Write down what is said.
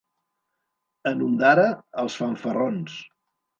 En Ondara, els fanfarrons.